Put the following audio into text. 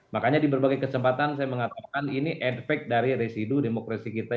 makanya di berbagai kesempatan saya mengatakan ini advac dari residu demokrasi kita